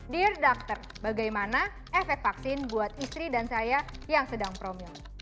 dear doctor bagaimana efek vaksin buat istri dan saya yang sedang promil